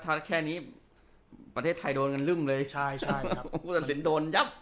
ถ้าแค่นี้ประเทศไทยโดนกันหลืมเลย